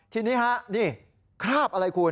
ที่นี่ครับคราบอะไรคุณ